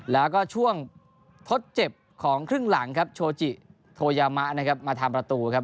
แล้วก็ช่วงทดเจ็บของครึ่งหลังครับโชจิโทยามะนะครับมาทำประตูครับ